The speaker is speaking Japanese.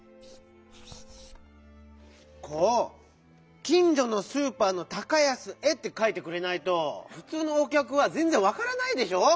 こう「きんじょのスーパーの高安へ」ってかいてくれないとふつうのおきゃくはぜんぜんわからないでしょ！